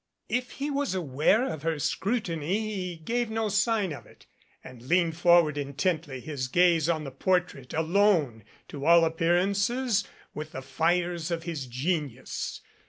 If he was aware of her scrutiny he gave no sign of it and leaned forward intently, his gaze on the portrait < alone, to all appearances, with the fires of his genius.